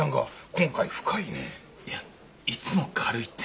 いやいつも軽いって。